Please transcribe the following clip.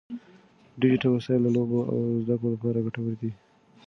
ډیجیټل وسایل د لوبو او زده کړو لپاره ګټور دي.